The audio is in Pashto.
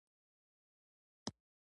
تاسې له تحقیق پرته د شکونو پر بنسټ قضاوت کوئ